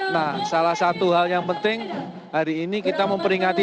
nah salah satu hal yang penting hari ini kita memperingati